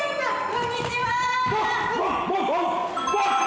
こんにちは。